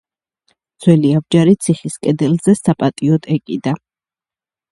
ძველი აბჯარი ციხის კედელზე საპატიოდ ეკიდა.